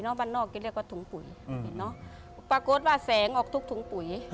ก็เรียกว่าถุงปุ๋ยปรากฏว่าแสงออกทุกถุงปุ๋ย